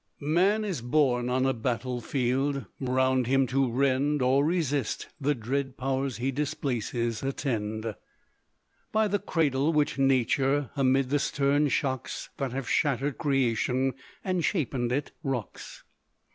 "Man is born on a battle field. Round him to rend Or resist, the dread Powers he displaces, attend By the cradle which Nature, amid the stern shocks That have shattered creation, and shapened it, rocks.